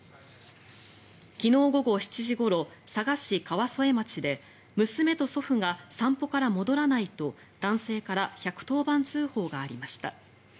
昨日午後７時ごろ佐賀市川副町で娘と祖父が散歩から戻らないと男性から１１０番通報がありました。